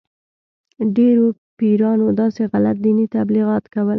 ډېرو پیرانو داسې غلط دیني تبلیغات کول.